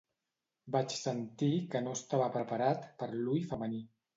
Vaig sentir que no estava preparat per l'ull femení.